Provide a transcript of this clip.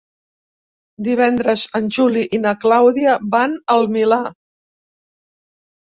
Divendres en Juli i na Clàudia van al Milà.